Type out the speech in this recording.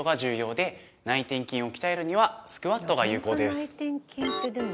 ホント内転筋ってでも。